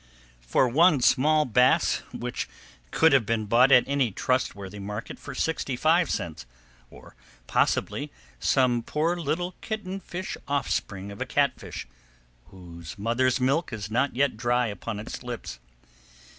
For one small bass which could have been bought at any trustworthy market for sixty five cents, or, possibly, some poor little kitten fish offspring of a catfish whose mother's milk is not yet dry upon its lips.